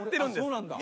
そうなんだ。